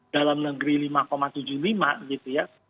dalam negeri lima tujuh puluh lima gitu ya